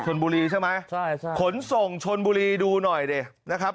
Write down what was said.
ชนบุรีใช่ไหมใช่ใช่ขนส่งชนบุรีดูหน่อยดินะครับ